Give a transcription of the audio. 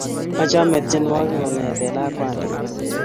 achame tyenwokik kongete lakwandinyu